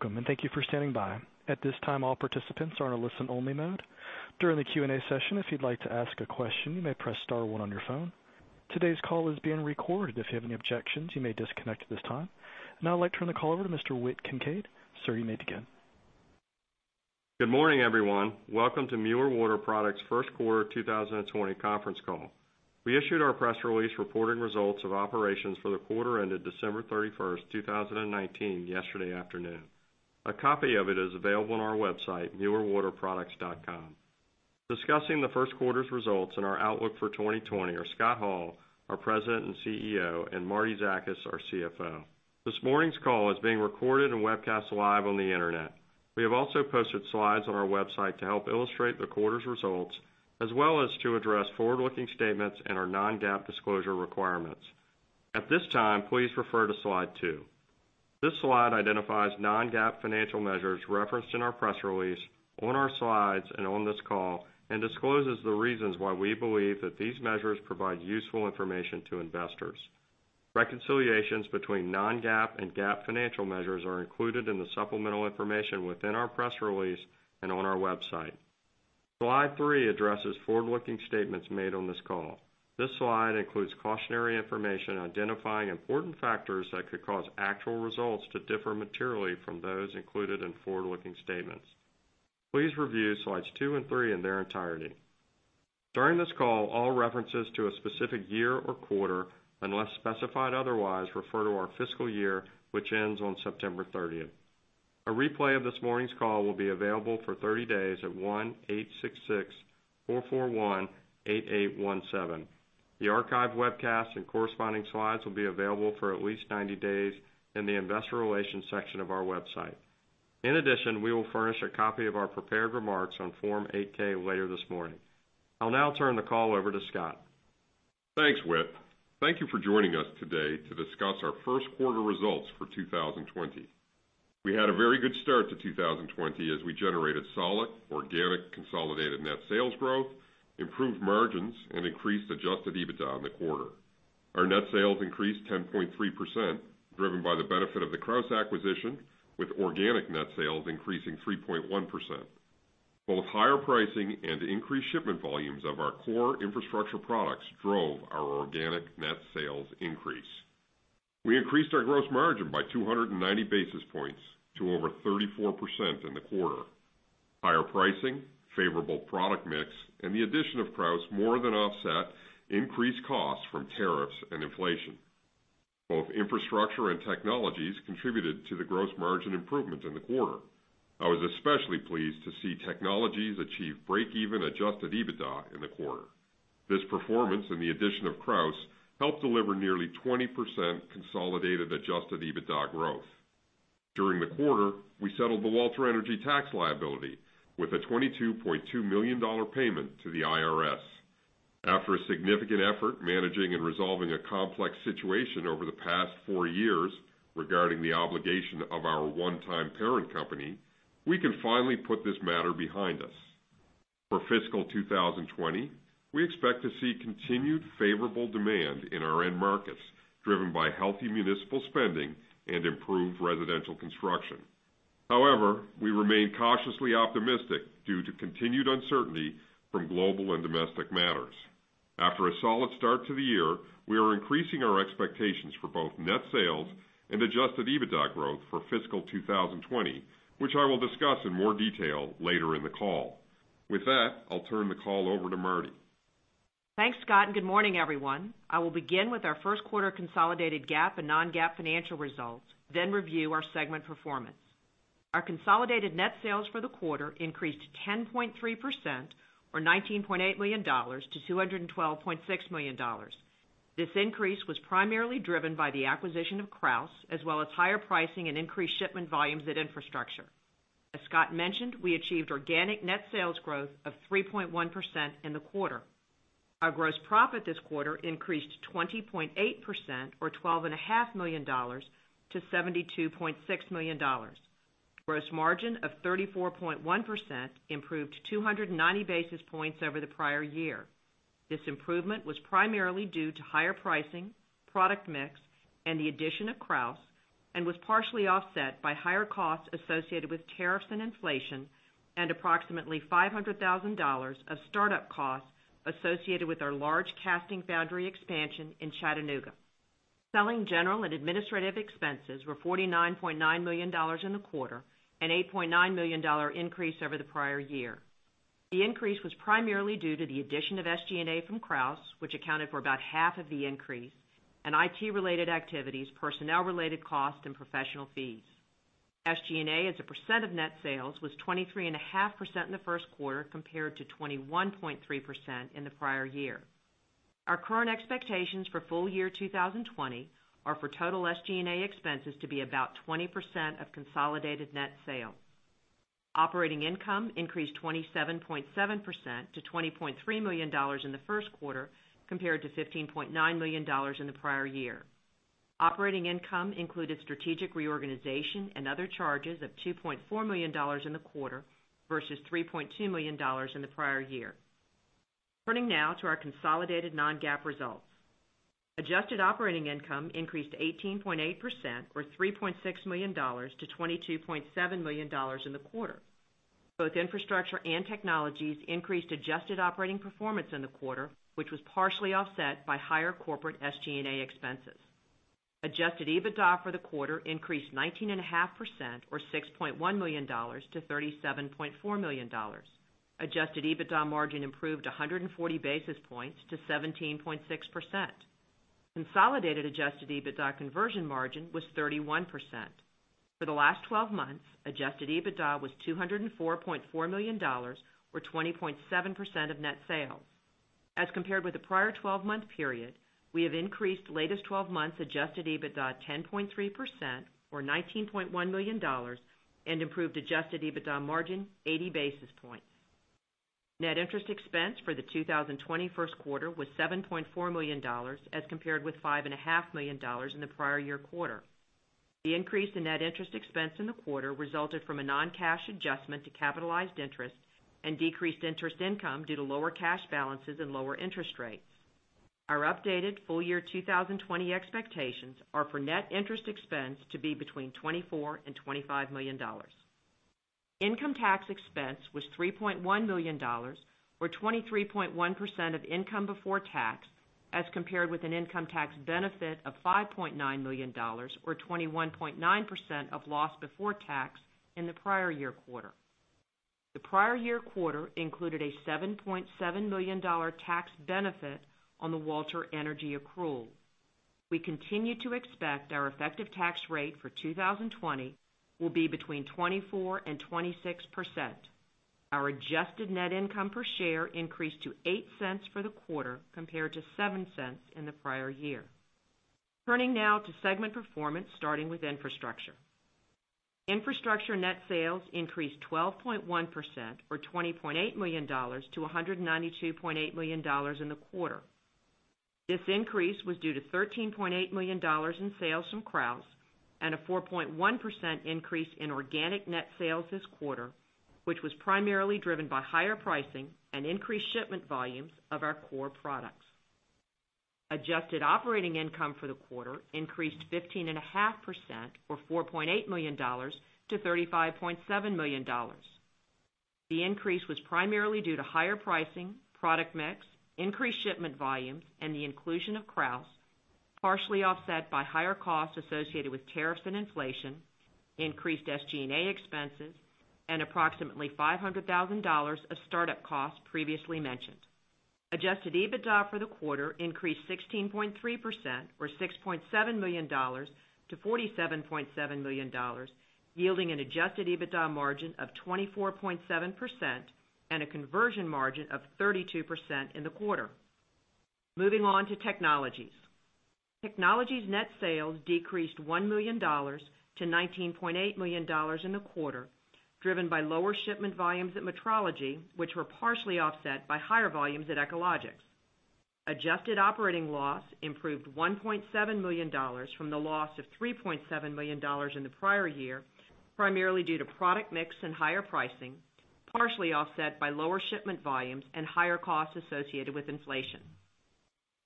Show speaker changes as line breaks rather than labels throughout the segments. Welcome, and thank you for standing by. At this time, all participants are in a listen-only mode. During the Q&A session, if you'd like to ask a question, you may press star one on your phone. Today's call is being recorded. If you have any objections, you may disconnect at this time. Now I'd like to turn the call over to Mr. Whit Kincaid. Sir, you may begin.
Good morning, everyone. Welcome to Mueller Water Products' first quarter 2020 conference call. We issued our press release reporting results of operations for the quarter ended December 31st, 2019 yesterday afternoon. A copy of it is available on our website, muellerwaterproducts.com. Discussing the first quarter's results and our outlook for 2020 are Scott Hall, our President and CEO, and Marietta Zakas, our CFO. This morning's call is being recorded and webcast live on the internet. We have also posted slides on our website to help illustrate the quarter's results, as well as to address forward-looking statements and our non-GAAP disclosure requirements. At this time, please refer to Slide two. This slide identifies non-GAAP financial measures referenced in our press release, on our slides, and on this call and discloses the reasons why we believe that these measures provide useful information to investors. Reconciliations between non-GAAP and GAAP financial measures are included in the supplemental information within our press release and on our website. Slide three addresses forward-looking statements made on this call. This slide includes cautionary information identifying important factors that could cause actual results to differ materially from those included in forward-looking statements. Please review Slides two and three in their entirety. During this call, all references to a specific year or quarter, unless specified otherwise, refer to our fiscal year, which ends on September 30th. A replay of this morning's call will be available for 30 days at 1-866-441-8817. The archive webcast and corresponding slides will be available for at least 90 days in the investor relations section of our website. In addition, we will furnish a copy of our prepared remarks on Form 8-K later this morning. I'll now turn the call over to Scott.
Thanks, Whit. Thank you for joining us today to discuss our first quarter results for 2020. We had a very good start to 2020 as we generated solid, organic, consolidated net sales growth, improved margins, and increased adjusted EBITDA in the quarter. Our net sales increased 10.3%, driven by the benefit of the Krausz acquisition, with organic net sales increasing 3.1%. Both higher pricing and increased shipment volumes of our core infrastructure products drove our organic net sales increase. We increased our gross margin by 290 basis points to over 34% in the quarter. Higher pricing, favorable product mix, and the addition of Krausz more than offset increased costs from tariffs and inflation. Both infrastructure and technologies contributed to the gross margin improvement in the quarter. I was especially pleased to see technologies achieve break-even adjusted EBITDA in the quarter. This performance and the addition of Krausz helped deliver nearly 20% consolidated adjusted EBITDA growth. During the quarter, we settled the Walter Energy tax liability with a $22.2 million payment to the IRS. After a significant effort managing and resolving a complex situation over the past four years regarding the obligation of our one-time parent company, we can finally put this matter behind us. For fiscal 2020, we expect to see continued favorable demand in our end markets, driven by healthy municipal spending and improved residential construction. However, we remain cautiously optimistic due to continued uncertainty from global and domestic matters. After a solid start to the year, we are increasing our expectations for both net sales and adjusted EBITDA growth for fiscal 2020, which I will discuss in more detail later in the call. With that, I'll turn the call over to Marie.
Thanks, Scott. Good morning, everyone. I will begin with our first quarter consolidated GAAP and non-GAAP financial results, then review our segment performance. Our consolidated net sales for the quarter increased 10.3%, or $19.8 million, to $212.6 million. This increase was primarily driven by the acquisition of Krausz, as well as higher pricing and increased shipment volumes at infrastructure. As Scott mentioned, we achieved organic net sales growth of 3.1% in the quarter. Our gross profit this quarter increased 20.8%, or $12.5 million, to $72.6 million. Gross margin of 34.1% improved 290 basis points over the prior year. This improvement was primarily due to higher pricing, product mix, and the addition of Krausz, and was partially offset by higher costs associated with tariffs and inflation and approximately $500,000 of startup costs associated with our large casting foundry expansion in Chattanooga. Selling, general, and administrative expenses were $49.9 million in the quarter, an $8.9 million increase over the prior year. The increase was primarily due to the addition of SG&A from Krausz, which accounted for about half of the increase, and IT-related activities, personnel-related costs, and professional fees. SG&A as a percent of net sales was 23.5% in the first quarter, compared to 21.3% in the prior year. Our current expectations for full year 2020 are for total SG&A expenses to be about 20% of consolidated net sales. Operating income increased 27.7% to $20.3 million in the first quarter, compared to $15.9 million in the prior year. Operating income included strategic reorganization and other charges of $2.4 million in the quarter versus $3.2 million in the prior year. Turning now to our consolidated non-GAAP results. Adjusted operating income increased 18.8%, or $3.6 million to $22.7 million in the quarter. Both infrastructure and technologies increased adjusted operating performance in the quarter, which was partially offset by higher corporate SG&A expenses. Adjusted EBITDA for the quarter increased 19.5%, or $6.1 million to $37.4 million. Adjusted EBITDA margin improved 140 basis points to 17.6%. Consolidated adjusted EBITDA conversion margin was 31%. For the last 12 months, adjusted EBITDA was $204.4 million, or 20.7% of net sales. As compared with the prior 12-month period, we have increased latest 12 months adjusted EBITDA 10.3%, or $19.1 million, and improved adjusted EBITDA margin 80 basis points. Net interest expense for the 2020 first quarter was $7.4 million, as compared with $5.5 million in the prior year quarter. The increase in net interest expense in the quarter resulted from a non-cash adjustment to capitalized interest and decreased interest income due to lower cash balances and lower interest rates. Our updated full year 2020 expectations are for net interest expense to be between $24 million and $25 million. Income tax expense was $3.1 million, or 23.1% of income before tax, as compared with an income tax benefit of $5.9 million, or 21.9% of loss before tax in the prior year quarter. The prior year quarter included a $7.7 million tax benefit on the Walter Energy accrual. We continue to expect our effective tax rate for 2020 will be between 24% and 26%. Our adjusted net income per share increased to $0.08 for the quarter, compared to $0.07 in the prior year. Turning now to segment performance, starting with infrastructure. Infrastructure net sales increased 12.1%, or $20.8 million to $192.8 million in the quarter. This increase was due to $13.8 million in sales from Krausz and a 4.1% increase in organic net sales this quarter, which was primarily driven by higher pricing and increased shipment volumes of our core products. Adjusted operating income for the quarter increased 15.5%, or $4.8 million to $35.7 million. The increase was primarily due to higher pricing, product mix, increased shipment volumes, and the inclusion of Krausz, partially offset by higher costs associated with tariffs and inflation, increased SG&A expenses, and approximately $500,000 of start-up costs previously mentioned. Adjusted EBITDA for the quarter increased 16.3%, or $6.7 million to $47.7 million, yielding an adjusted EBITDA margin of 24.7% and a conversion margin of 32% in the quarter. Moving on to technologies. Technologies net sales decreased $1 million to $19.8 million in the quarter, driven by lower shipment volumes at Metrology, which were partially offset by higher volumes at Echologics. Adjusted operating loss improved $1.7 million from the loss of $3.7 million in the prior year, primarily due to product mix and higher pricing, partially offset by lower shipment volumes and higher costs associated with inflation.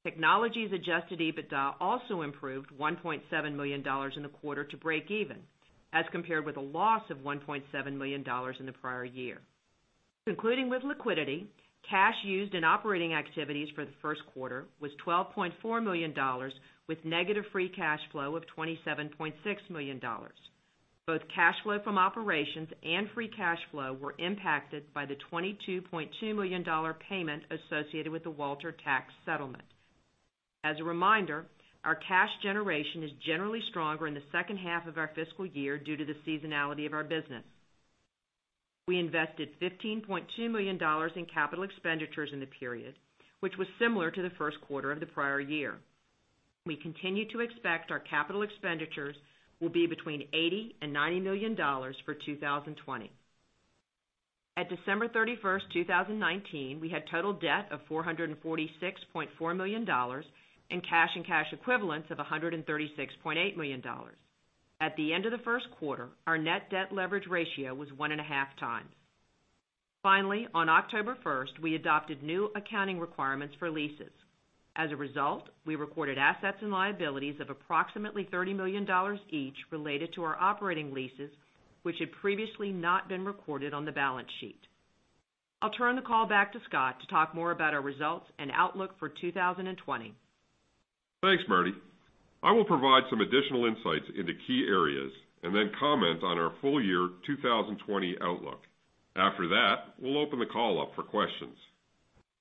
Technologies adjusted EBITDA also improved $1.7 million in the quarter to break even, as compared with a loss of $1.7 million in the prior year. Concluding with liquidity, cash used in operating activities for the first quarter was $12.4 million, with negative free cash flow of $27.6 million. Both cash flow from operations and free cash flow were impacted by the $22.2 million payment associated with the Walter tax settlement. As a reminder, our cash generation is generally stronger in the second half of our fiscal year due to the seasonality of our business. We invested $15.2 million in capital expenditures in the period, which was similar to the first quarter of the prior year. We continue to expect our capital expenditures will be between $80 million and $90 million for 2020. At December 31st, 2019, we had total debt of $446.4 million and cash and cash equivalents of $136.8 million. At the end of the first quarter, our net debt leverage ratio was one and a half times. Finally, on October 1st, we adopted new accounting requirements for leases. As a result, we recorded assets and liabilities of approximately $30 million each related to our operating leases, which had previously not been recorded on the balance sheet. I'll turn the call back to Scott to talk more about our results and outlook for 2020.
Thanks, Marie. I will provide some additional insights into key areas and then comment on our full year 2020 outlook. After that, we'll open the call up for questions.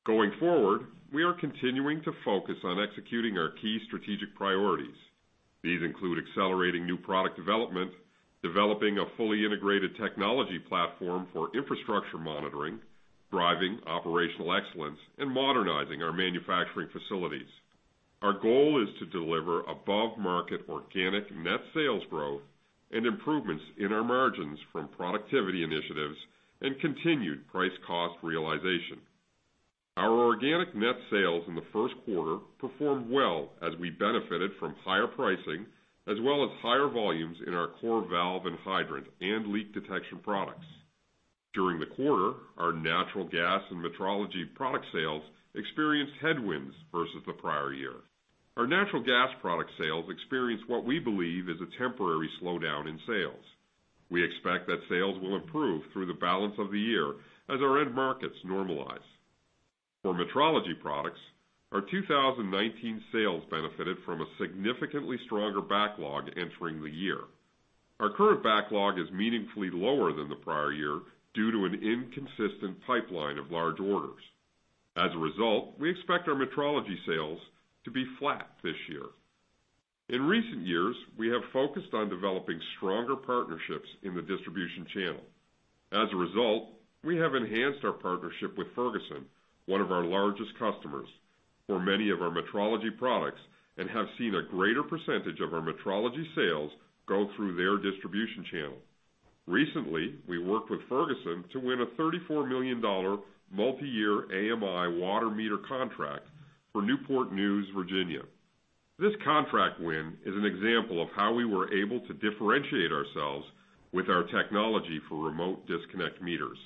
Going forward, we are continuing to focus on executing our key strategic priorities. These include accelerating new product development, developing a fully integrated technology platform for infrastructure monitoring, driving operational excellence, and modernizing our manufacturing facilities. Our goal is to deliver above-market organic net sales growth and improvements in our margins from productivity initiatives and continued price cost realization. Our organic net sales in the first quarter performed well as we benefited from higher pricing, as well as higher volumes in our core valve and hydrant and leak detection products. During the quarter, our natural gas and Metrology product sales experienced headwinds versus the prior year. Our natural gas product sales experienced what we believe is a temporary slowdown in sales. We expect that sales will improve through the balance of the year as our end markets normalize. For Metrology products, our 2019 sales benefited from a significantly stronger backlog entering the year. Our current backlog is meaningfully lower than the prior year due to an inconsistent pipeline of large orders. We expect our Metrology sales to be flat this year. In recent years, we have focused on developing stronger partnerships in the distribution channel. We have enhanced our partnership with Ferguson, one of our largest customers, for many of our Metrology products and have seen a greater percentage of our Metrology sales go through their distribution channel. Recently, we worked with Ferguson to win a $34 million multi-year AMI water meter contract for Newport News, Virginia. This contract win is an example of how we were able to differentiate ourselves with our technology for remote disconnect meters.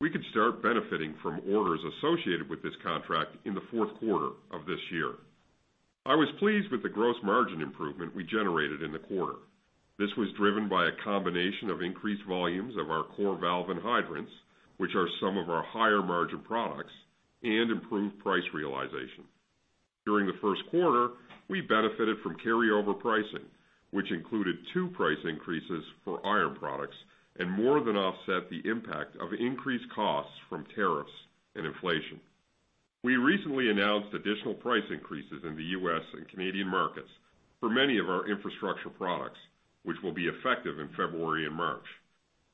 We could start benefiting from orders associated with this contract in the fourth quarter of this year. I was pleased with the gross margin improvement we generated in the quarter. This was driven by a combination of increased volumes of our core valve and hydrants, which are some of our higher margin products, and improved price realization. During the first quarter, we benefited from carryover pricing, which included two price increases for iron products and more than offset the impact of increased costs from tariffs and inflation. We recently announced additional price increases in the U.S. and Canadian markets for many of our infrastructure products, which will be effective in February and March.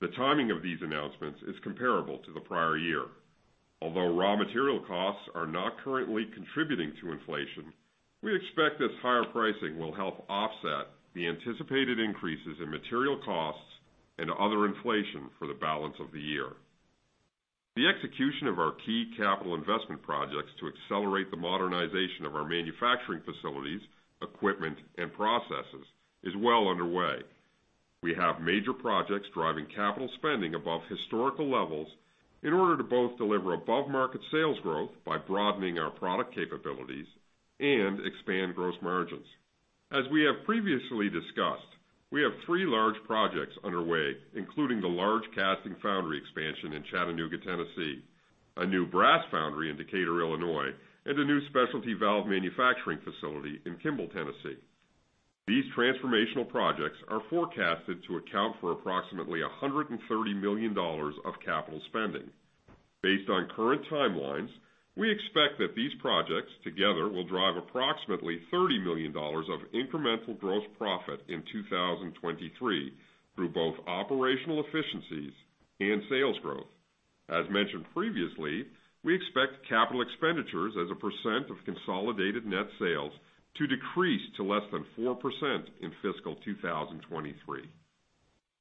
The timing of these announcements is comparable to the prior year. Although raw material costs are not currently contributing to inflation, we expect this higher pricing will help offset the anticipated increases in material costs and other inflation for the balance of the year. The execution of our key capital investment projects to accelerate the modernization of our manufacturing facilities, equipment, and processes is well underway. We have major projects driving capital spending above historical levels in order to both deliver above-market sales growth by broadening our product capabilities and expand gross margins. As we have previously discussed, we have three large projects underway, including the large casting foundry expansion in Chattanooga, Tennessee, a new brass foundry in Decatur, Illinois, and a new specialty valve manufacturing facility in Kimball, Tennessee. These transformational projects are forecasted to account for approximately $130 million of capital spending. Based on current timelines, we expect that these projects together will drive approximately $30 million of incremental gross profit in 2023 through both operational efficiencies and sales growth. As mentioned previously, we expect capital expenditures as a percent of consolidated net sales to decrease to less than 4% in fiscal 2023.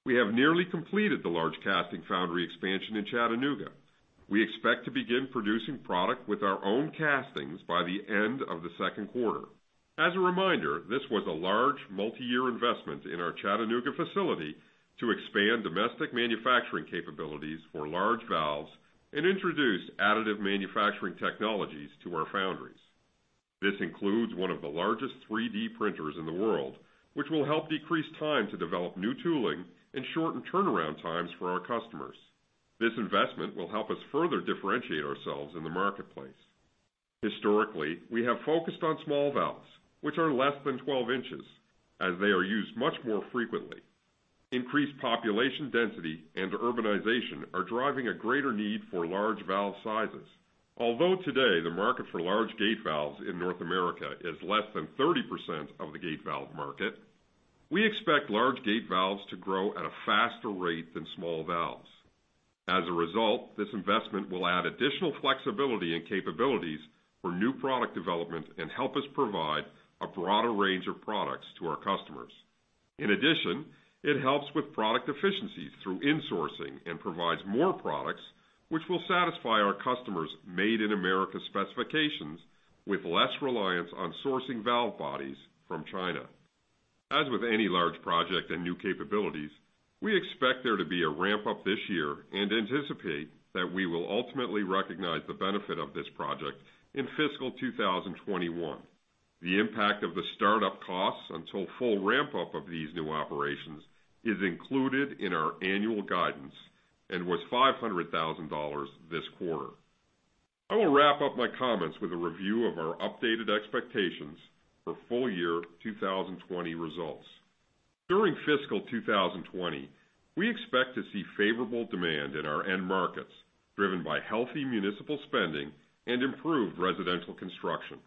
We have nearly completed the large casting foundry expansion in Chattanooga. We expect to begin producing product with our own castings by the end of the second quarter. As a reminder, this was a large multi-year investment in our Chattanooga facility to expand domestic manufacturing capabilities for large valves and introduce additive manufacturing technologies to our foundries. This includes one of the largest 3D printers in the world, which will help decrease time to develop new tooling and shorten turnaround times for our customers. This investment will help us further differentiate ourselves in the marketplace. Historically, we have focused on small valves, which are less than 12 inches, as they are used much more frequently. Increased population density and urbanization are driving a greater need for large valve sizes. Although today the market for large gate valves in North America is less than 30% of the gate valve market, we expect large gate valves to grow at a faster rate than small valves. This investment will add additional flexibility and capabilities for new product development and help us provide a broader range of products to our customers. In addition, it helps with product efficiency through insourcing and provides more products which will satisfy our customers' made-in-America specifications with less reliance on sourcing valve bodies from China. As with any large project and new capabilities, we expect there to be a ramp-up this year and anticipate that we will ultimately recognize the benefit of this project in fiscal 2021. The impact of the start-up costs until full ramp-up of these new operations is included in our annual guidance and was $500,000 this quarter. I will wrap up my comments with a review of our updated expectations for full year 2020 results. During fiscal 2020, we expect to see favorable demand in our end markets driven by healthy municipal spending and improved residential construction.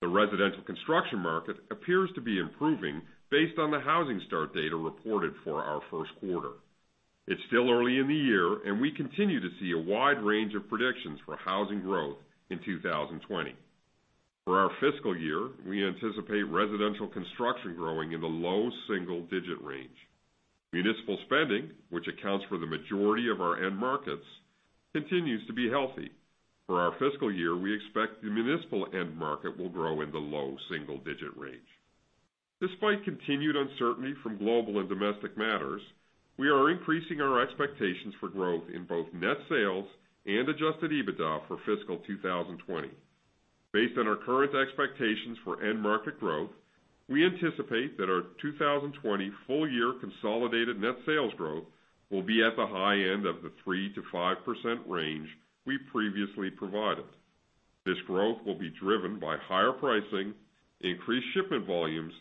The residential construction market appears to be improving based on the housing start data reported for our first quarter. It's still early in the year, and we continue to see a wide range of predictions for housing growth in 2020. For our fiscal year, we anticipate residential construction growing in the low single-digit range. Municipal spending, which accounts for the majority of our end markets, continues to be healthy. For our fiscal year, we expect the municipal end market will grow in the low single-digit range. Despite continued uncertainty from global and domestic matters, we are increasing our expectations for growth in both net sales and adjusted EBITDA for fiscal 2020. Based on our current expectations for end market growth, we anticipate that our 2020 full year consolidated net sales growth will be at the high end of the 3%-5% range we previously provided. This growth will be driven by higher pricing, increased shipment volumes,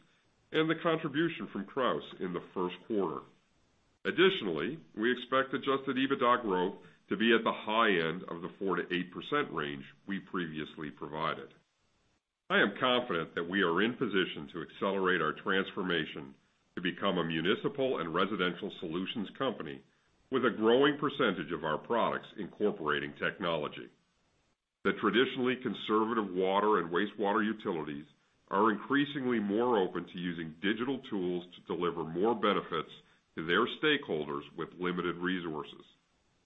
and the contribution from Krausz in the first quarter. Additionally, we expect adjusted EBITDA growth to be at the high end of the 4%-8% range we previously provided. I am confident that we are in position to accelerate our transformation to become a municipal and residential solutions company with a growing percentage of our products incorporating technology. The traditionally conservative water and wastewater utilities are increasingly more open to using digital tools to deliver more benefits to their stakeholders with limited resources.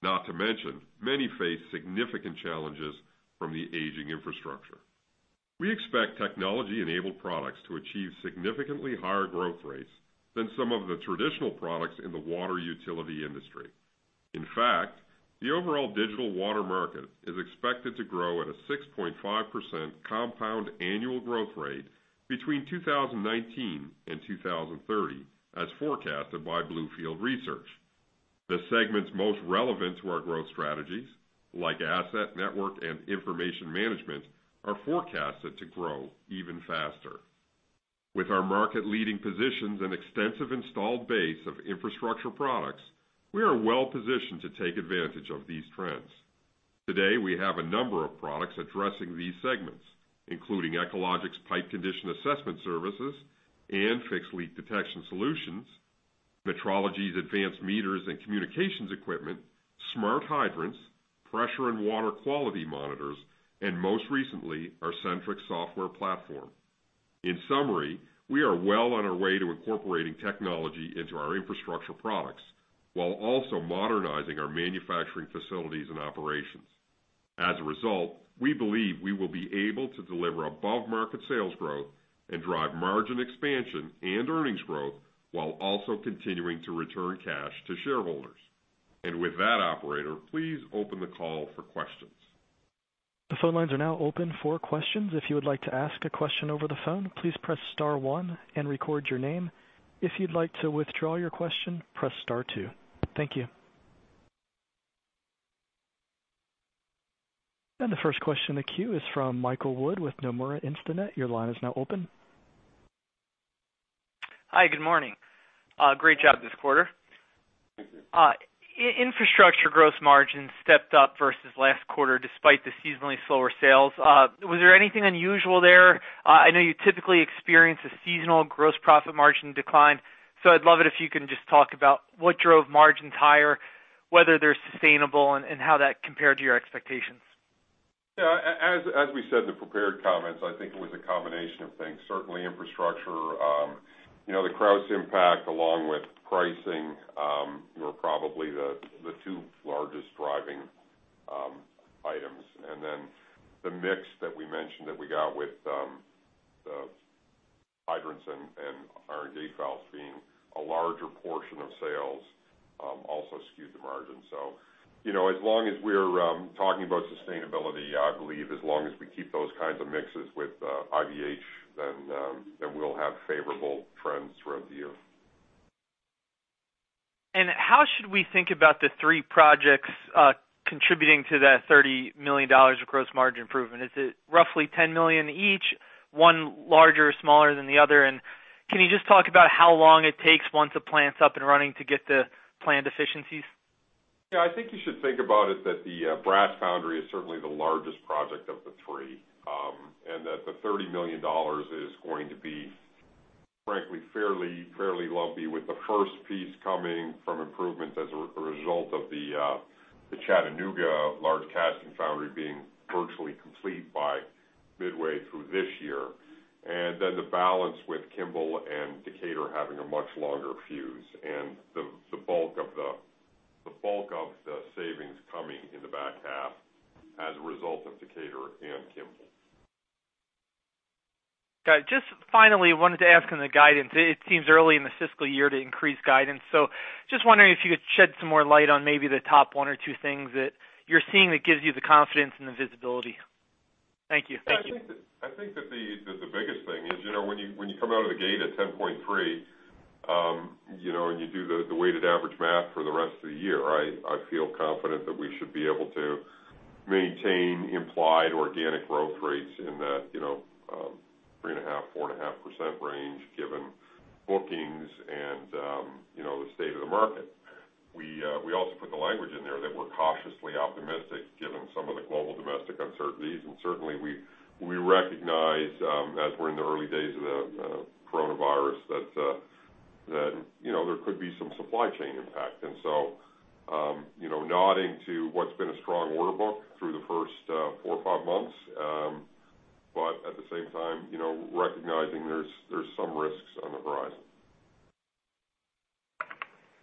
Not to mention, many face significant challenges from the aging infrastructure. We expect technology-enabled products to achieve significantly higher growth rates than some of the traditional products in the water utility industry. In fact, the overall digital water market is expected to grow at a 6.5% compound annual growth rate between 2019 and 2030, as forecasted by Bluefield Research. The segments most relevant to our growth strategies, like asset, network, and information management, are forecasted to grow even faster. With our market-leading positions and extensive installed base of infrastructure products, we are well-positioned to take advantage of these trends. Today, we have a number of products addressing these segments, including Echologics pipe condition assessment services and fixed leak detection solutions, Metrology's advanced meters and communications equipment, smart hydrants, pressure and water quality monitors, and most recently, our Sentryx software platform. In summary, we are well on our way to incorporating technology into our infrastructure products while also modernizing our manufacturing facilities and operations. As a result, we believe we will be able to deliver above-market sales growth and drive margin expansion and earnings growth while also continuing to return cash to shareholders. With that, operator, please open the call for questions.
The phone lines are now open for questions. If you would like to ask a question over the phone, please press star one and record your name. If you'd like to withdraw your question, press star two. Thank you. The first question in the queue is from Michael Wood with Nomura Instinet. Your line is now open.
Hi, good morning. Great job this quarter.
Thank you.
Infrastructure gross margin stepped up versus last quarter despite the seasonally slower sales. Was there anything unusual there? I know you typically experience a seasonal gross profit margin decline, so I'd love it if you can just talk about what drove margins higher, whether they're sustainable, and how that compared to your expectations.
As we said in the prepared comments, I think it was a combination of things. Certainly infrastructure. The Krausz impact along with pricing were probably the two largest driving items. The mix that we mentioned that we got with the hydrants and iron gate valves being a larger portion of sales also skewed the margin. As long as we're talking about sustainability, I believe as long as we keep those kinds of mixes with IBH, we'll have favorable trends throughout the year.
How should we think about the three projects contributing to that $30 million of gross margin improvement? Is it roughly $10 million each, one larger or smaller than the other? Can you just talk about how long it takes once a plant's up and running to get the planned efficiencies?
Yeah. I think you should think about it that the brass foundry is certainly the largest project of the three, and that the $30 million is going to be, frankly, fairly lumpy, with the first piece coming from improvements as a result of the Chattanooga large casting foundry being virtually complete by midway through this year. The balance with Kimball and Decatur having a much longer fuse, and the bulk of the savings coming in the back half as a result of Decatur and Kimball.
Got it. Just finally, wanted to ask on the guidance. It seems early in the fiscal year to increase guidance, so just wondering if you could shed some more light on maybe the top one or two things that you're seeing that gives you the confidence and the visibility. Thank you.
I think that the biggest thing is when you come out of the gate at 10.3, and you do the weighted average math for the rest of the year, I feel confident that we should be able to maintain implied organic growth rates in that 3.5%-4.5% range given bookings and the state of the market. We also put the language in there that we're cautiously optimistic given some of the global domestic uncertainties, certainly we recognize, as we're in the early days of the coronavirus, that there could be some supply chain impact. Nodding to what's been a strong order book through the first four or five months, but at the same time recognizing there's some risks on the horizon.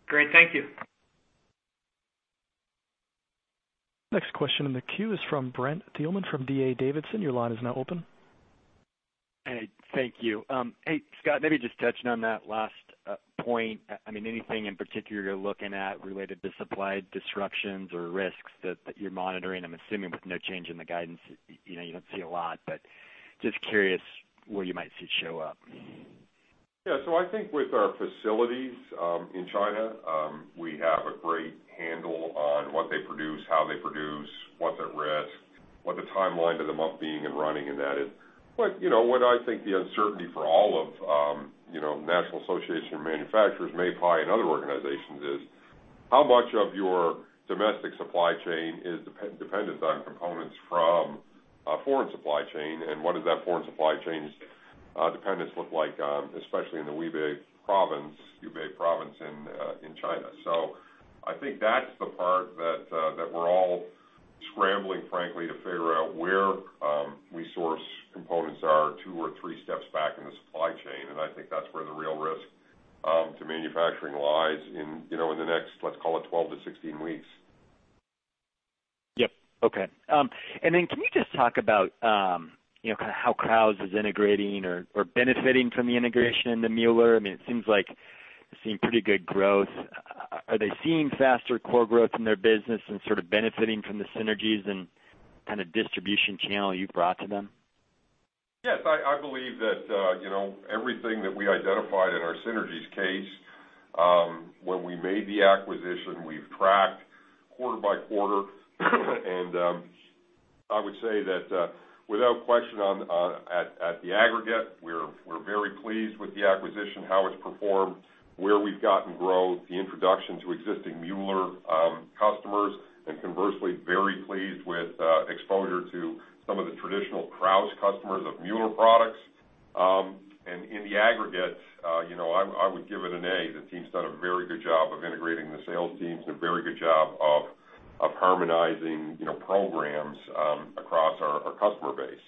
Great. Thank you.
Next question in the queue is from Brent Thielman from D.A. Davidson. Your line is now open.
Hey, thank you. Hey, Scott, maybe just touching on that last point. Anything in particular you're looking at related to supply disruptions or risks that you're monitoring? I'm assuming with no change in the guidance, you don't see a lot, but just curious where you might see it show up.
I think with our facilities in China, we have a great handle on what they produce, how they produce, what's at risk, what the timeline to them up being and running and that is. What I think the uncertainty for National Association of Manufacturers, MAPI, and other organizations is, how much of your domestic supply chain is dependent on components from a foreign supply chain? What does that foreign supply chain's dependence look like, especially in the Hubei province in China? I think that's the part that we're all scrambling, frankly, to figure out where resource components are two or three steps back in the supply chain. I think that's where the real risk to manufacturing lies in the next, let's call it 12 to 16 weeks.
Yep. Okay. Can you just talk about how Krausz is integrating or benefiting from the integration into Mueller? It seems like they're seeing pretty good growth. Are they seeing faster core growth in their business and sort of benefiting from the synergies and kind of distribution channel you've brought to them?
Yes, I believe that everything that we identified in our synergies case, when we made the acquisition, we've tracked quarter by quarter. I would say that, without question, at the aggregate, we're very pleased with the acquisition, how it's performed, where we've gotten growth, the introduction to existing Mueller customers and conversely, very pleased with exposure to some of the traditional Krausz customers of Mueller products. In the aggregate, I would give it an A. The team's done a very good job of integrating the sales teams, and a very good job of harmonizing programs across our customer base.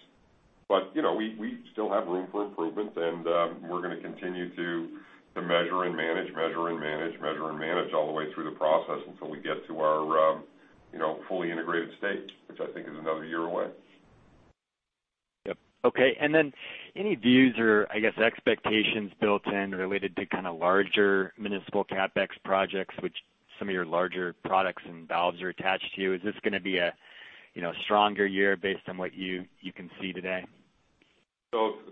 We still have room for improvement and we're going to continue to measure and manage all the way through the process until we get to our fully integrated state, which I think is another year away.
Yep. Okay. Any views or I guess, expectations built in related to kind of larger municipal CapEx projects, which some of your larger products and valves are attached to? Is this going to be a stronger year based on what you can see today?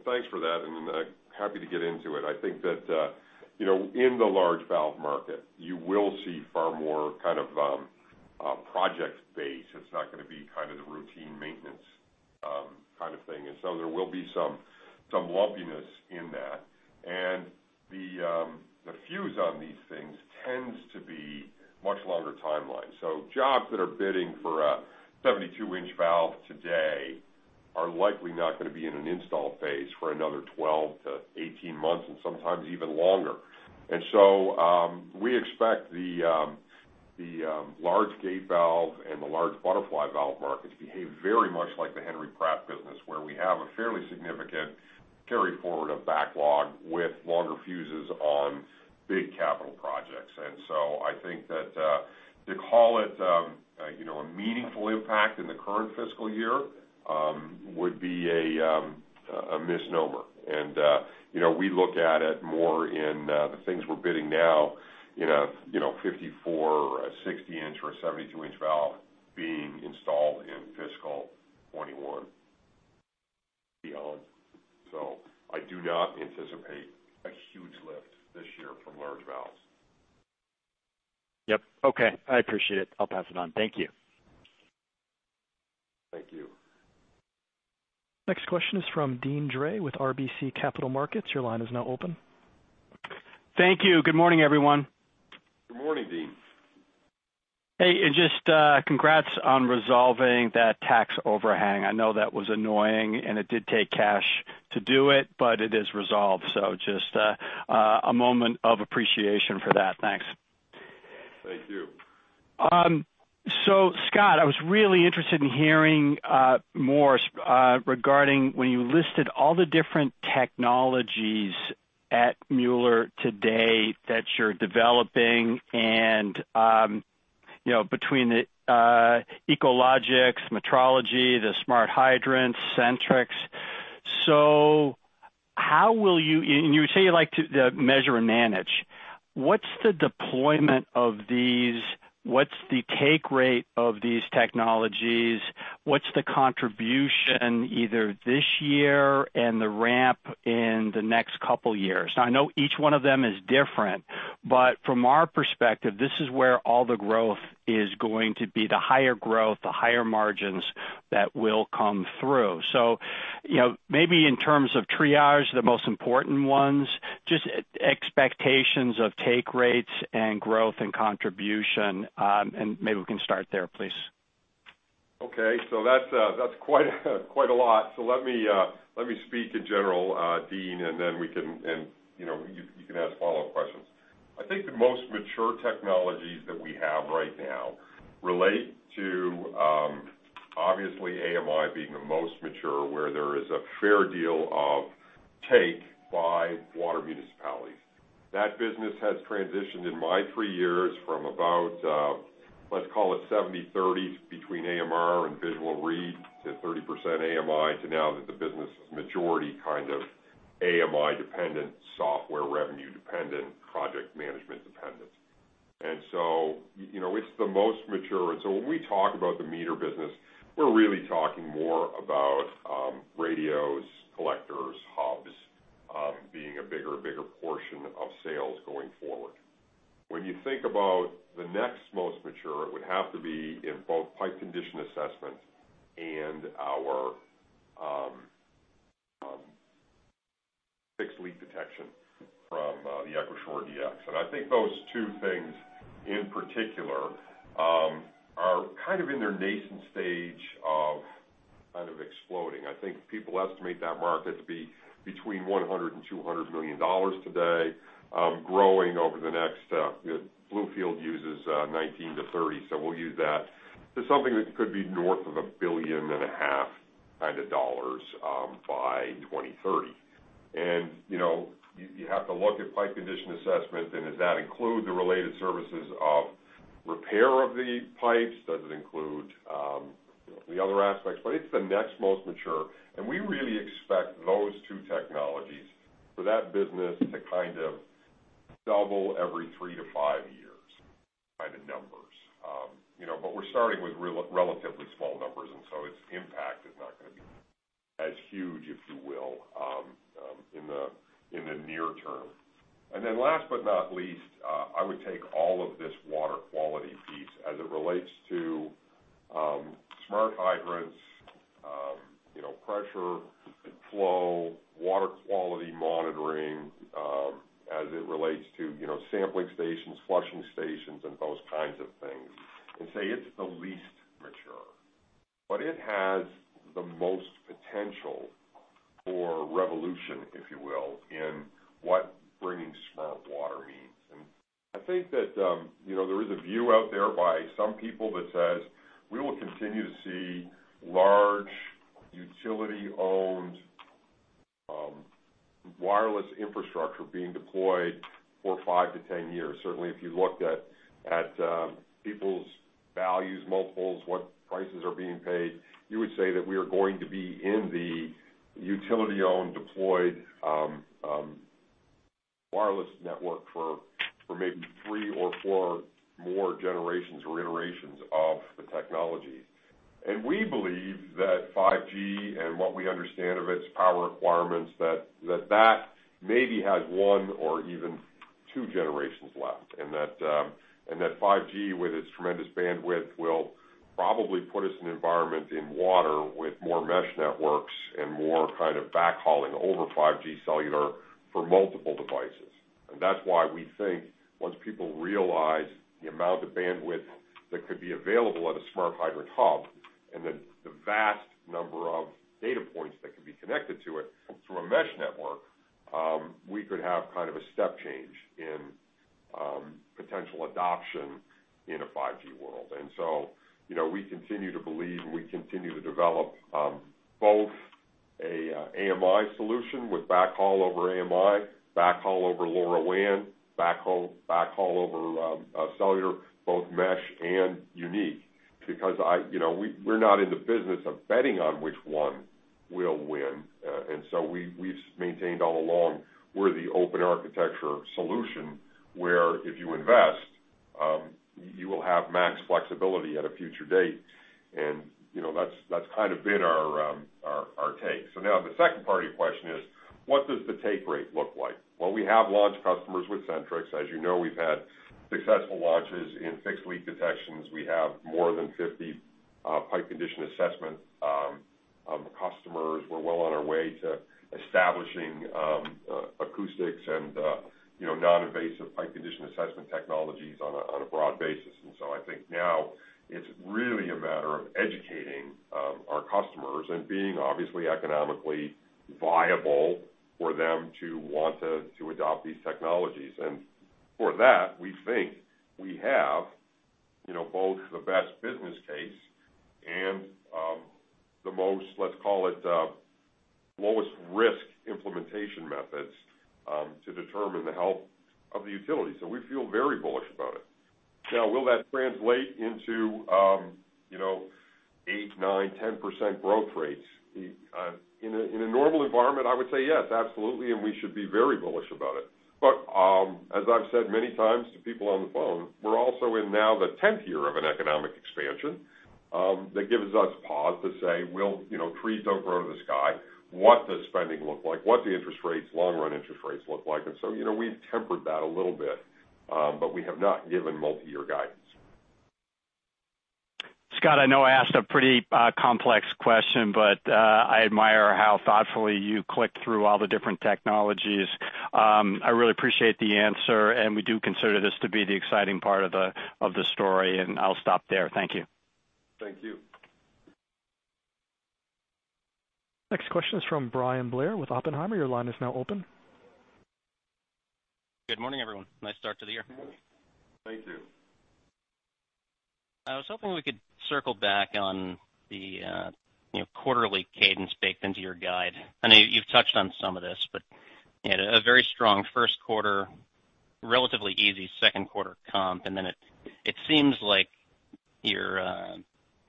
Thanks for that, happy to get into it. I think that in the large valve market, you will see far more kind of project base. It's not going to be the routine maintenance kind of thing. There will be some lumpiness in that. The fuse on these things tends to be much longer timeline. Jobs that are bidding for a 72-inch valve today are likely not going to be in an install phase for another 12 to 18 months and sometimes even longer. We expect the large gate valve and the large butterfly valve markets behave very much like the Henry Pratt business, where we have a fairly significant carry forward of backlog with longer fuses on big capital projects. I think that, to call it a meaningful impact in the current fiscal year, would be a misnomer. We look at it more in the things we're bidding now in a 54-inch, or a 60-inch or a 72-inch valve being installed in fiscal 2021. Beyond. I do not anticipate a huge lift this year from large valves.
Yep. Okay, I appreciate it. I'll pass it on. Thank you.
Thank you.
Next question is from Deane Dray with RBC Capital Markets. Your line is now open.
Thank you. Good morning, everyone.
Good morning, Deane.
Hey, just congrats on resolving that tax overhang. I know that was annoying, and it did take cash to do it, but it is resolved. Just a moment of appreciation for that. Thanks.
Thank you.
Scott, I was really interested in hearing more regarding when you listed all the different technologies at Mueller Water Products today that you're developing and between the Echologics, Metrology, the smart hydrants, Sentryx. You say you like to measure and manage. What's the deployment of these? What's the take rate of these technologies? What's the contribution either this year and the ramp in the next couple of years? I know each one of them is different, but from our perspective, this is where all the growth is going to be, the higher growth, the higher margins that will come through. Maybe in terms of triage, the most important ones, just expectations of take rates and growth and contribution, and maybe we can start there, please.
Okay. That's quite a lot. Let me speak in general, Deane, and you can ask follow-up questions. I think the most mature technologies that we have right now relate to. Obviously, AMI being the most mature, where there is a fair deal of take by water municipalities. That business has transitioned in my three years from about, let's call it 70/30 between AMR and visual read to 30% AMI to now that the business majority kind of AMI dependent, software revenue dependent, project management dependent. It's the most mature. When we talk about the meter business, we're really talking more about radios, collectors, hubs being a bigger portion of sales going forward. When you think about the next most mature, it would have to be in both pipe condition assessment and our fixed leak detection from the EchoShore-DX. I think those two things in particular are kind of in their nascent stage of kind of exploding. I think people estimate that market to be between $100 million-$200 million today, growing over the next, Bluefield uses 19-30, so we'll use that, to something that could be north of a billion and a half kind of dollars by 2030. You have to look at pipe condition assessment and does that include the related services of repair of the pipes? Does it include the other aspects? It's the next most mature, and we really expect those two technologies for that business to kind of double every 3-5 years kind of numbers. We're starting with relatively small numbers, its impact is not going to be as huge, if you will, in the near term. Then last but not least, I would take all of this water quality piece as it relates to smart hydrants, pressure, flow, water quality monitoring as it relates to sampling stations, flushing stations, and those kinds of things, and say it's the least mature. But it has the most potential for revolution, if you will, in what bringing smart water means. I think that there is a view out there by some people that says we will continue to see large utility-owned wireless infrastructure being deployed for 5-10 years. Certainly, if you looked at people's values, multiples, what prices are being paid, you would say that we are going to be in the utility-owned deployed wireless network for maybe three or four more generations or iterations of the technology. We believe that 5G and what we understand of its power requirements, that maybe has one or even two generations left, and that 5G, with its tremendous bandwidth, will probably put us in an environment in water with more mesh networks and more kind of backhauling over 5G cellular for multiple devices. That's why we think once people realize the amount of bandwidth that could be available at a Smart Hydrant hub and the vast number of data points that could be connected to it through a mesh network, we could have kind of a step change in potential adoption in a 5G world. We continue to believe and we continue to develop both a AMI solution with backhaul over AMI, backhaul over LoRaWAN, backhaul over cellular, both mesh and unique, because we're not in the business of betting on which one will win. We've maintained all along we're the open architecture solution, where if you invest, you will have max flexibility at a future date. That's kind of been our take. Now the second part of your question is, what does the take rate look like? Well, we have launched customers with Sentryx. As you know, we've had successful launches in fixed leak detections. We have more than 50 pipe condition assessment customers. We're well on our way to establishing acoustics and non-invasive pipe condition assessment technologies on a broad basis. I think now it's really a matter of educating our customers and being obviously economically viable for them to want to adopt these technologies. For that, we think we have both the best business case and the most, let's call it, lowest risk implementation methods to determine the health of the utility. We feel very bullish about it. Will that translate into 8%, 9%, 10% growth rates? In a normal environment, I would say yes, absolutely, and we should be very bullish about it. As I've said many times to people on the phone, we're also in now the 10th year of an economic expansion. That gives us pause to say, trees don't grow to the sky. What does spending look like? What the interest rates, long run interest rates look like? We've tempered that a little bit, but we have not given multi-year guidance.
Scott, I know I asked a pretty complex question, but I admire how thoughtfully you clicked through all the different technologies. I really appreciate the answer, and we do consider this to be the exciting part of the story, and I'll stop there. Thank you.
Thank you.
Next question is from Bryan Blair with Oppenheimer. Your line is now open.
Good morning, everyone. Nice start to the year.
Thank you.
I was hoping we could circle back on the quarterly cadence baked into your guide. I know you've touched on some of this, but you had a very strong first quarter, relatively easy second quarter comp, and then it seems like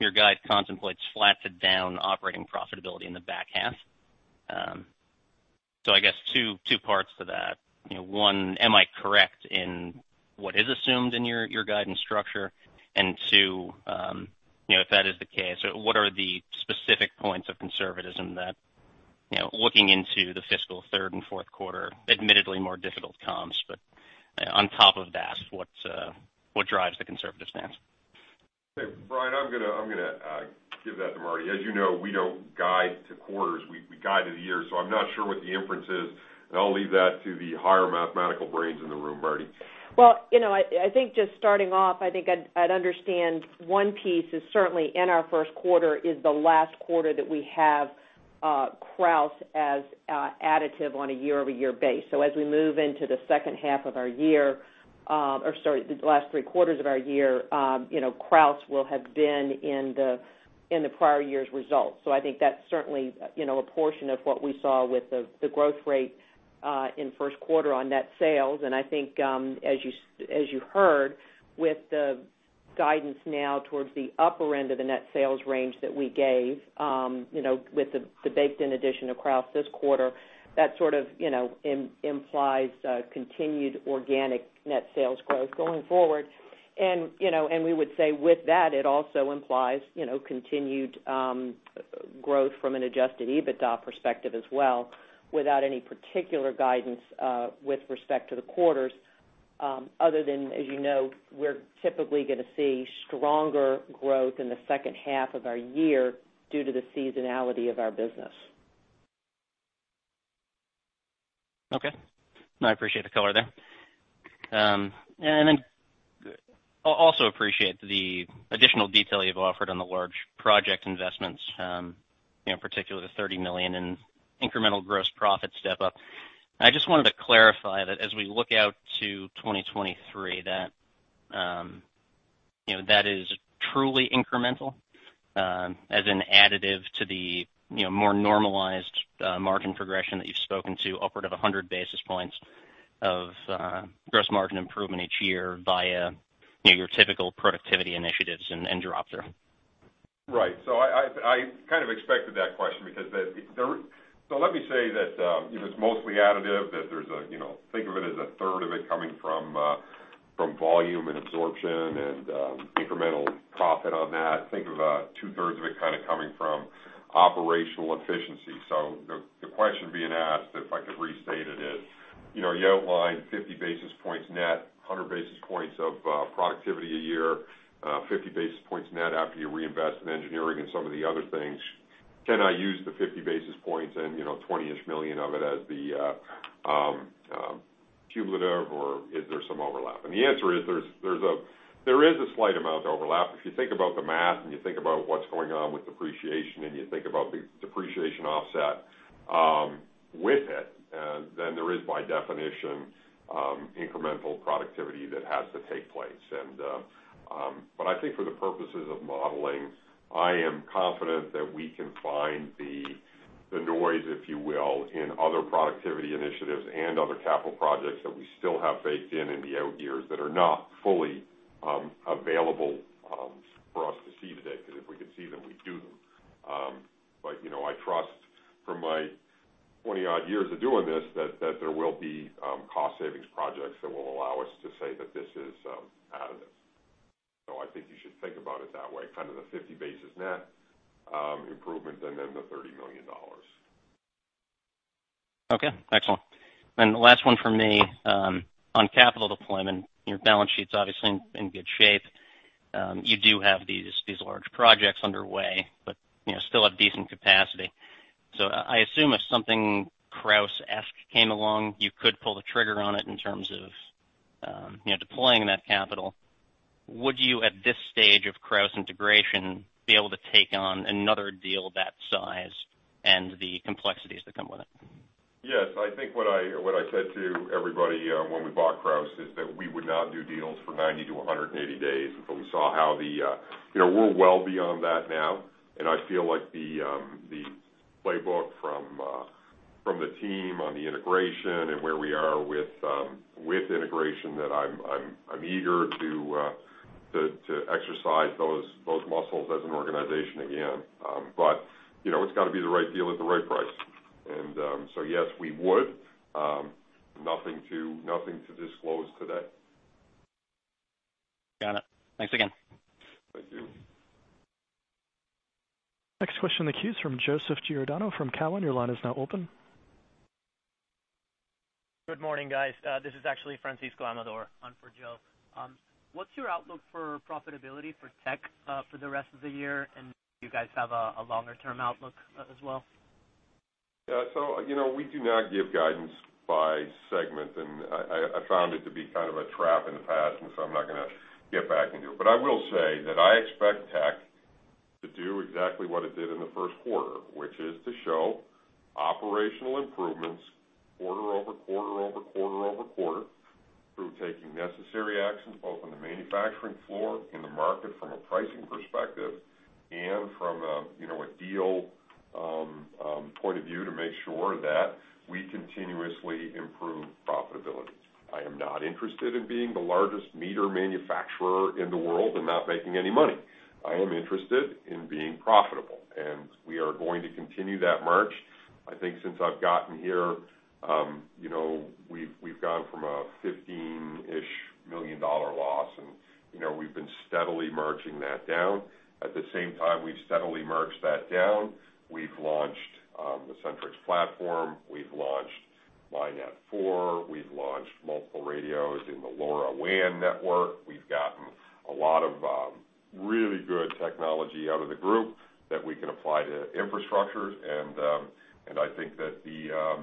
your guide contemplates flat to down operating profitability in the back half. I guess two parts to that. One, am I correct in what is assumed in your guidance structure? Two, if that is the case, what are the specific points of conservatism that, looking into the fiscal third and fourth quarter, admittedly more difficult comps, but on top of that, what drives the conservative stance?
Okay, Bryan, I'm going to give that to Marie. As you know, we don't guide to quarters, we guide to the year. I'm not sure what the inference is, and I'll leave that to the higher mathematical brains in the room. Marie.
Just starting off, I'd understand one piece is certainly in our first quarter is the last quarter that we have Krausz as additive on a year-over-year basis. As we move into the second half of our year, or sorry, the last three quarters of our year, Krausz will have been in the prior year's results. I think, as you heard, with the guidance now towards the upper end of the net sales range that we gave, with the baked-in addition of Krausz this quarter, that sort of implies continued organic net sales growth going forward. We would say with that, it also implies continued growth from an adjusted EBITDA perspective as well, without any particular guidance with respect to the quarters, other than, as you know, we're typically going to see stronger growth in the second half of our year due to the seasonality of our business.
Okay. No, I appreciate the color there. Then, also appreciate the additional detail you've offered on the large project investments, in particular the $30 million in incremental gross profit step-up. I just wanted to clarify that as we look out to 2023, that is truly incremental as an additive to the more normalized margin progression that you've spoken to upward of 100 basis points of gross margin improvement each year via your typical productivity initiatives and drop-through.
Right. I kind of expected that question because let me say that it's mostly additive, that there's a third of it coming from volume and absorption and incremental profit on that. Think of two-thirds of it kind of coming from operational efficiency. The question being asked, if I could restate it is, you outlined 50 basis points net, 100 basis points of productivity a year, 50 basis points net after you reinvest in engineering and some of the other things. Can I use the 50 basis points and, $20-ish million of it as the cumulative, or is there some overlap? The answer is, there is a slight amount of overlap. You think about the math and you think about what's going on with depreciation and you think about the depreciation offset with it, there is, by definition, incremental productivity that has to take place. I think for the purposes of modeling, I am confident that we can find the noise, if you will, in other productivity initiatives and other capital projects that we still have baked in in the out years that are not fully available for us to see today, because if we could see them, we'd do them. I trust from my 20-odd years of doing this that there will be cost savings projects that will allow us to say that this is additive. I think you should think about it that way, kind of the 50 basis net improvement and then the $30 million.
Okay, excellent. The last one from me. On capital deployment, your balance sheet's obviously in good shape. You do have these large projects underway, but still have decent capacity. I assume if something Krausz-esque came along, you could pull the trigger on it in terms of deploying that capital. Would you, at this stage of Krausz integration, be able to take on another deal that size and the complexities that come with it?
Yes, I think what I said to everybody when we bought Krausz is that we would not do deals for 90-180 days until we saw. We're well beyond that now, and I feel like the playbook from the team on the integration and where we are with integration, that I'm eager to exercise those muscles as an organization again. It's got to be the right deal at the right price. Yes, we would. Nothing to disclose today.
Got it. Thanks again.
Thank you.
Next question in the queue is from Joseph Giordano from Cowen. Your line is now open.
Good morning, guys. This is actually Francisco Amador on for Joe. What's your outlook for profitability for tech for the rest of the year? Do you guys have a longer-term outlook as well?
We do not give guidance by segment. I found it to be kind of a trap in the past. I'm not going to get back into it. I will say that I expect Metrology to do exactly what it did in the first quarter, which is to show operational improvements quarter-over-quarter. Through taking necessary actions both on the manufacturing floor, in the market from a pricing perspective, and from a deal point of view to make sure that we continuously improve profitability. I am not interested in being the largest meter manufacturer in the world and not making any money. I am interested in being profitable. We are going to continue that march. I think since I've gotten here, we've gone from a $15-ish million loss. We've been steadily marching that down. At the same time we've steadily marched that down, we've launched the Sentryx platform, we've launched Mi.Net 4, we've launched multiple radios in the LoRaWAN network. We've gotten a lot of really good technology out of the group that we can apply to infrastructures, and I think that the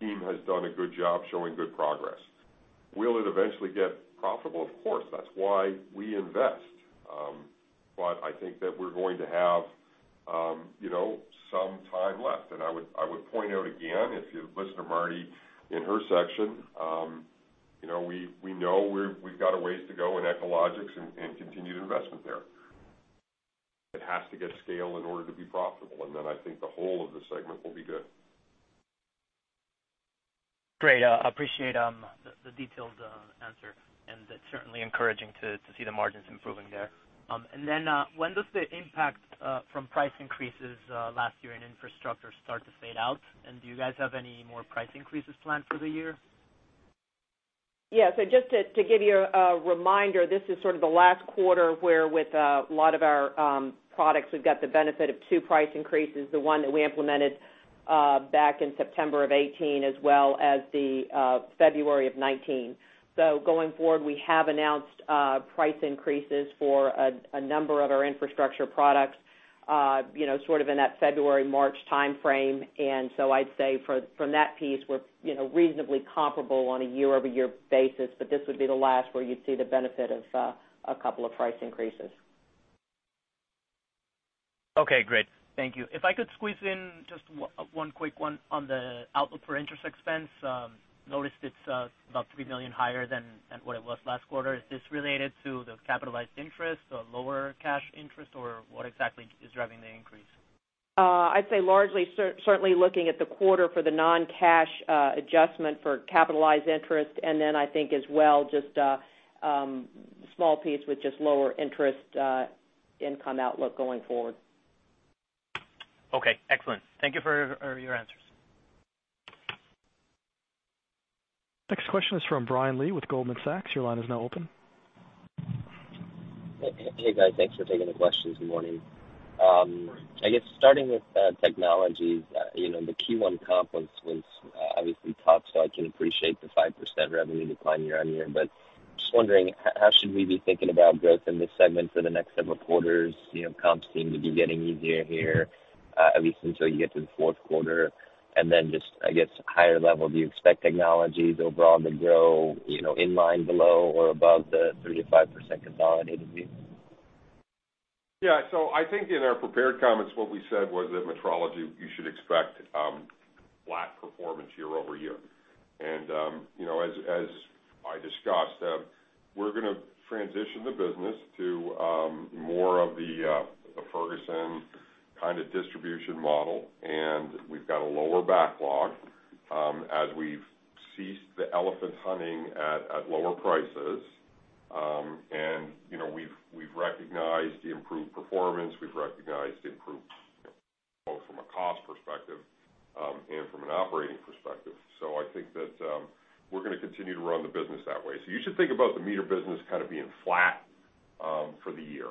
team has done a good job showing good progress. Will it eventually get profitable? Of course. That's why we invest. I think that we're going to have some time left, and I would point out again, if you listen to Marie in her section, we know we've got a ways to go in Echologics and continued investment there. It has to get scale in order to be profitable, and then I think the whole of the segment will be good.
Great. Appreciate the detailed answer. That's certainly encouraging to see the margins improving there. When does the impact from price increases last year in infrastructure start to fade out? Do you guys have any more price increases planned for the year?
Yeah. Just to give you a reminder, this is sort of the last quarter where with a lot of our products, we've got the benefit of 2 price increases, the one that we implemented back in September of 2018 as well as the February of 2019. Going forward, we have announced price increases for a number of our infrastructure products sort of in that February, March timeframe. I'd say from that piece, we're reasonably comparable on a year-over-year basis. This would be the last where you'd see the benefit of a couple of price increases.
Okay, great. Thank you. If I could squeeze in just one quick one on the outlook for interest expense. Noticed it's about $3 million higher than what it was last quarter. Is this related to the capitalized interest or lower cash interest, or what exactly is driving the increase?
I'd say largely, certainly looking at the quarter for the non-cash adjustment for capitalized interest, and then I think as well, just a small piece with just lower interest income outlook going forward.
Okay, excellent. Thank you for your answers.
Next question is from Brian Lee with Goldman Sachs. Your line is now open.
Hey, guys. Thanks for taking the questions this morning. I guess starting with Technologies, the Q1 comp was obviously tough. I can appreciate the 5% revenue decline year-on-year. Just wondering, how should we be thinking about growth in this segment for the next several quarters? Comps seem to be getting easier here, at least until you get to the fourth quarter. Just, I guess, higher level, do you expect Technologies overall to grow in line below or above the 3%-5% consolidated view?
Yeah. I think in our prepared comments, what we said was that Metrology, you should expect flat performance year-over-year. As I discussed, we're going to transition the business to more of the Ferguson kind of distribution model, and we've got a lower backlog as we've ceased the elephant hunting at lower prices. We've recognized the improved performance, we've recognized the improved both from a cost perspective and from an operating perspective. I think that we're going to continue to run the business that way. You should think about the meter business kind of being flat for the year.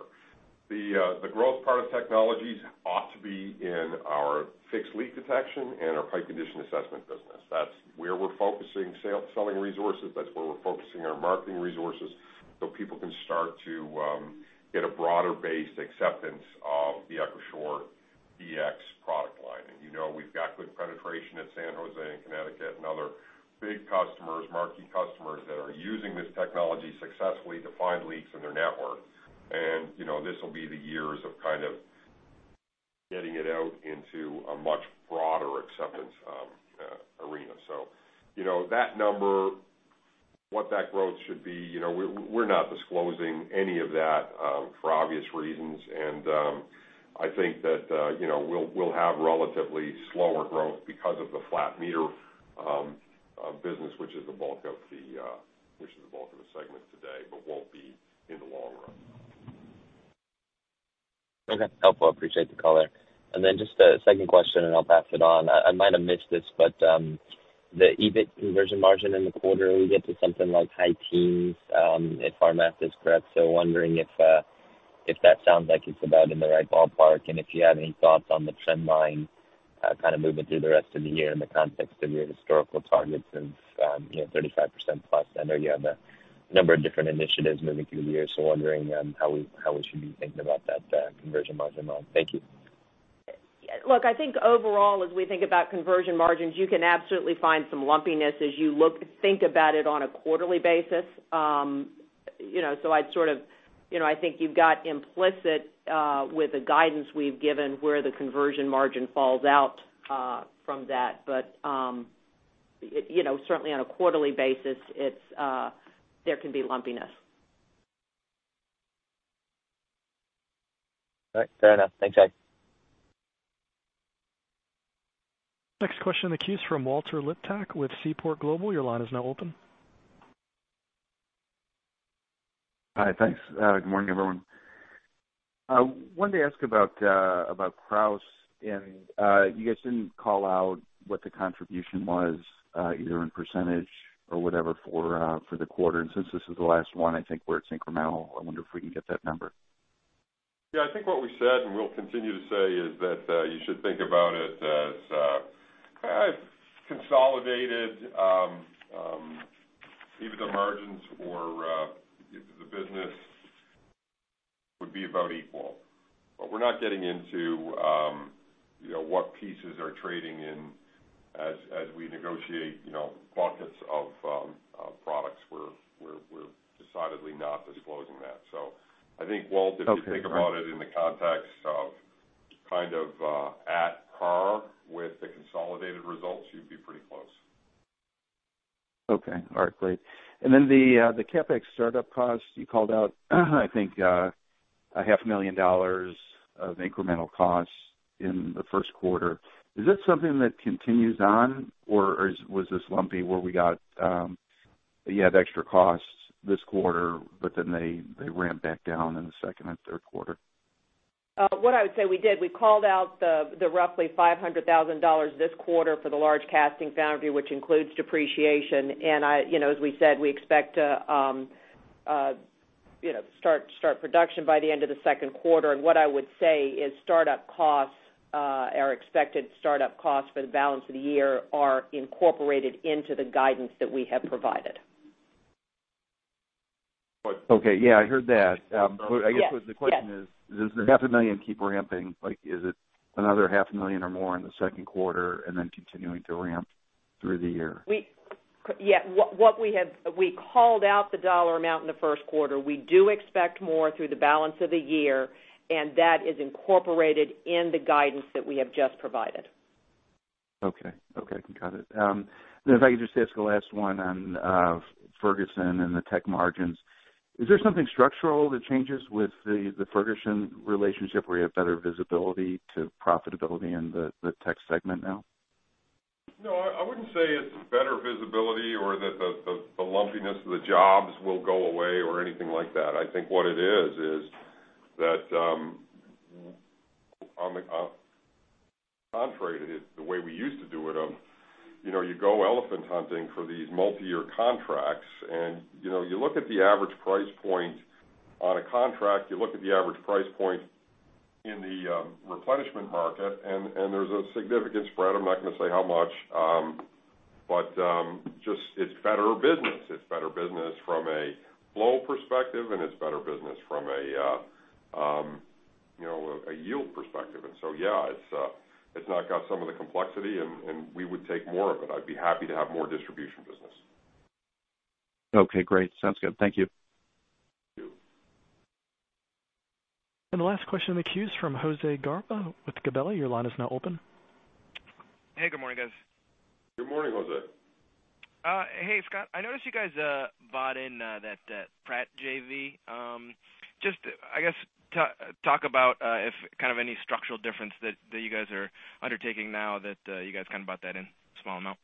The growth part of Technologies ought to be in our fixed leak detection and our pipe condition assessment business. That's where we're focusing selling resources. That's where we're focusing our marketing resources so people can start to get a broader-based acceptance of the EchoShore-DX product line. You know we've got good penetration at San Jose and Connecticut and other big customers, marquee customers that are using this technology successfully to find leaks in their network. This will be the years of kind of getting it out into a much broader acceptance arena. That number, what that growth should be, we're not disclosing any of that for obvious reasons. I think that we'll have relatively slower growth because of the flat meter business, which is the bulk of the segment today, but won't be in the long run.
Okay. Helpful. Appreciate the color. Just a second question, and I'll pass it on. I might have missed this, but the EBIT conversion margin in the quarter, we get to something like high teens, if our math is correct. Wondering if that sounds like it's about in the right ballpark, and if you have any thoughts on the trend line kind of moving through the rest of the year in the context of your historical targets of 35% plus. I know you have a number of different initiatives moving through the year, wondering how we should be thinking about that conversion margin model. Thank you.
Look, I think overall, as we think about conversion margins, you can absolutely find some lumpiness as you think about it on a quarterly basis. I think you've got implicit with the guidance we've given, where the conversion margin falls out from that. Certainly on a quarterly basis, there can be lumpiness.
All right. Fair enough. Thanks, Marie.
Next question in the queue is from Walt Liptak with Seaport Global. Your line is now open.
Hi, thanks. Good morning, everyone. I wanted to ask about Krausz, and you guys didn't call out what the contribution was, either in percentage or whatever for the quarter. Since this is the last one, I think where it's incremental, I wonder if we can get that number.
Yeah, I think what we said, and we'll continue to say, is that you should think about it as kind of consolidated. Even the margins for the business would be about equal. We're not getting into what pieces are trading in as we negotiate buckets of products. We're decidedly not disclosing that. I think, Walt.
Okay. All right.
If you think about it in the context of kind of at par with the consolidated results, you'd be pretty close.
Okay. All right, great. The CapEx startup cost, you called out I think a half million dollars of incremental costs in the first quarter. Is that something that continues on, or was this lumpy where we got you had extra costs this quarter, but then they ramp back down in the second and third quarter?
We did. We called out the roughly $500,000 this quarter for the large casting foundry, which includes depreciation. As we said, we expect to start production by the end of the second quarter. Startup costs, our expected startup costs for the balance of the year are incorporated into the guidance that we have provided.
Okay. Yeah, I heard that.
Yes.
I guess what the question is, does the half a million keep ramping? Is it another half a million or more in the second quarter and then continuing to ramp through the year?
Yeah. We called out the dollar amount in the first quarter. We do expect more through the balance of the year, and that is incorporated in the guidance that we have just provided.
Okay. Got it. If I could just ask the last one on Ferguson and the tech margins. Is there something structural that changes with the Ferguson relationship, where you have better visibility to profitability in the tech segment now?
No, I wouldn't say it's better visibility or that the lumpiness of the jobs will go away or anything like that. I think what it is that on the contrary to the way we used to do it, you go elephant hunting for these multi-year contracts, and you look at the average price point on a contract, you look at the average price point in the replenishment market, and there's a significant spread. I'm not going to say how much. Just it's better business. It's better business from a flow perspective, and it's better business from a yield perspective. Yeah, it's not got some of the complexity, and we would take more of it. I'd be happy to have more distribution business.
Okay, great. Sounds good. Thank you.
Thank you.
The last question in the queue is from Jose Garza with Gabelli. Your line is now open.
Hey, good morning, guys.
Good morning, Jose.
Hey, Scott, I noticed you guys bought in that Pratt Industrial. Just, I guess, talk about if kind of any structural difference that you guys are undertaking now that you guys kind of bought that in small amount?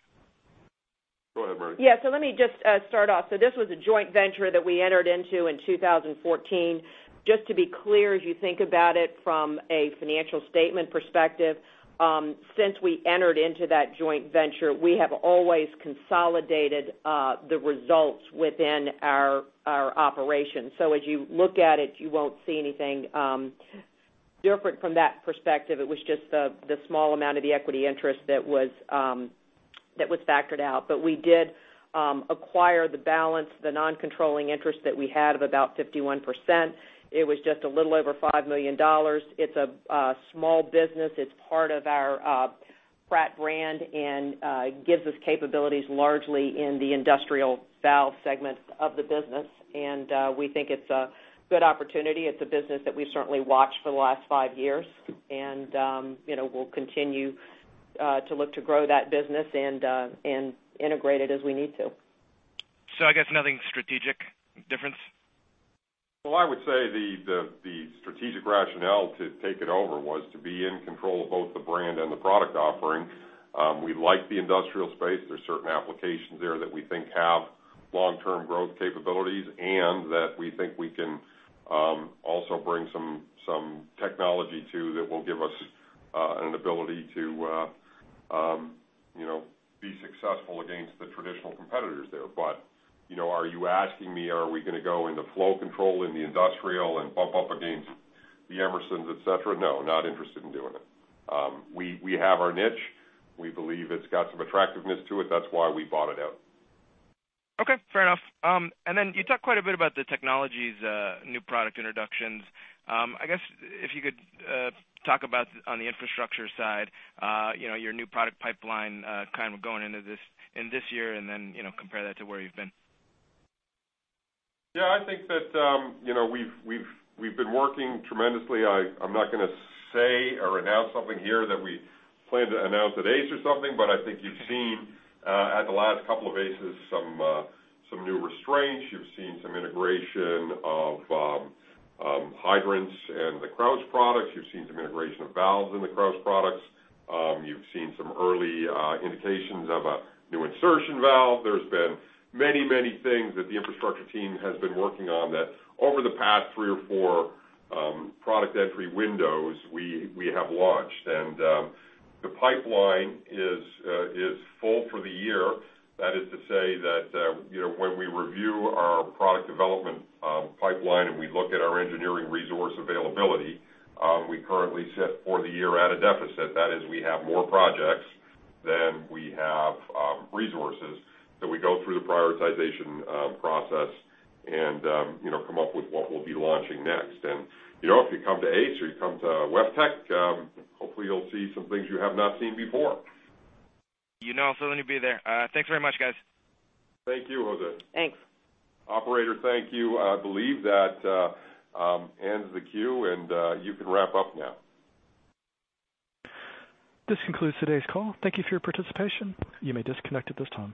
Go ahead, Marie.
Let me just start off. This was a joint venture that we entered into in 2014. Just to be clear, as you think about it from a financial statement perspective, since we entered into that joint venture, we have always consolidated the results within our operations. As you look at it, you won't see anything different from that perspective. It was just the small amount of the equity interest that was factored out. We did acquire the balance, the non-controlling interest that we had of about 51%. It was just a little over $5 million. It's a small business. It's part of our Pratt brand, and gives us capabilities largely in the industrial valve segment of the business. We think it's a good opportunity. It's a business that we've certainly watched for the last five years, and we'll continue to look to grow that business and integrate it as we need to.
I guess nothing strategic difference.
Well, I would say the strategic rationale to take it over was to be in control of both the brand and the product offering. We like the industrial space. There's certain applications there that we think have long-term growth capabilities, and that we think we can also bring some technology to that will give us an ability to be successful against the traditional competitors there. Are you asking me, are we going to go into flow control in the industrial and bump up against the Emerson, et cetera? No, not interested in doing it. We have our niche. We believe it's got some attractiveness to it. That's why we bought it out.
Okay, fair enough. You talked quite a bit about the technologies, new product introductions. I guess if you could talk about on the infrastructure side your new product pipeline kind of going into this year and then compare that to where you've been.
Yeah, I think that we've been working tremendously. I'm not going to say or announce something here that we plan to announce at ACE or something, but I think you've seen at the last couple of ACEs some new restraints. You've seen some integration of hydrants and the Krausz products. You've seen some integration of valves in the Krausz products. You've seen some early indications of a new insertion valve. There's been many things that the infrastructure team has been working on that over the past three or four product entry windows we have launched. The pipeline is full for the year. That is to say that when we review our product development pipeline, and we look at our engineering resource availability, we currently sit for the year at a deficit. That is, we have more projects than we have resources. We go through the prioritization process and come up with what we'll be launching next. If you come to ACE or you come to WEFTEC, hopefully you'll see some things you have not seen before.
You know I'll certainly be there. Thanks very much, guys.
Thank you, Jose.
Thanks.
Operator, thank you. I believe that ends the queue, and you can wrap up now.
This concludes today's call. Thank you for your participation. You may disconnect at this time.